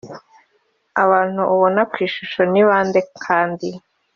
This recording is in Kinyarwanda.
Abantu ubona ku ishusho ni bande kandi